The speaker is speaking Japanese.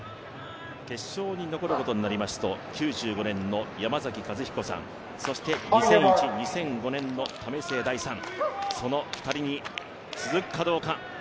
決勝に残ることになりますと９４年の山崎一彦さん、そして２００１２００５年の為末大さんに続くかどうか。